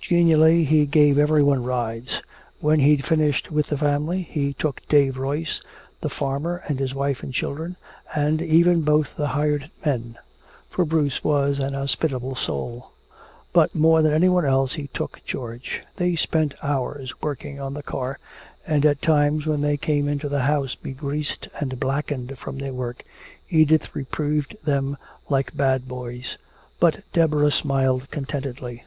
Genially he gave everyone rides. When he'd finished with the family, he took Dave Royce the farmer and his wife and children, and even both the hired men, for Bruce was an hospitable soul. But more than anyone else he took George. They spent hours working on the car, and at times when they came into the house begreased and blackened from their work, Edith reproved them like bad boys but Deborah smiled contentedly.